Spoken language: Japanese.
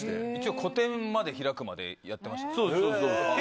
個展まで開くまでやってました。